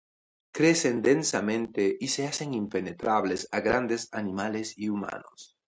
Crecen densamente y se hacen impenetrables a grandes animales y humanos.